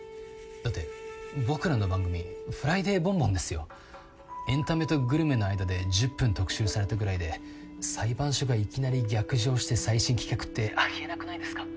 だって僕らの番組「フライデーボンボン」ですよ。エンタメとグルメの間で１０分特集されたぐらいで裁判所がいきなり逆上して再審棄却ってありえなくないですか？